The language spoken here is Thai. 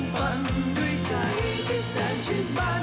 ปันด้วยใจที่แสนชิ้นบ้าน